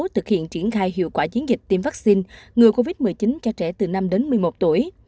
thực hiện triển khai hiệu quả chiến dịch tiêm vaccine ngừa covid một mươi chín cho trẻ từ năm đến một mươi một tuổi